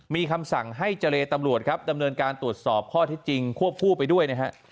มีคำสั่งให้เจรตำรวจครับดำเนินการตรวจสอบข้อที่จริงควบคู่ไปด้วยนะฮะ